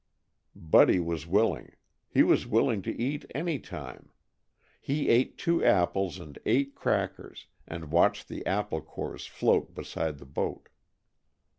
Buddy was willing. He was willing to eat any time. He ate two apples and eight crackers, and watched the apple cores float beside the boat.